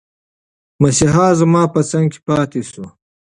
مسیحا زما په څنګ کې پاتي شو.